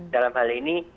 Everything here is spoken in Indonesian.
dalam hal ini